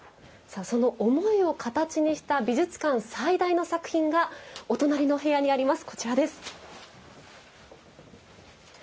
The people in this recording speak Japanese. その思いを形にした美術館最大の作品がお隣の部屋にあります。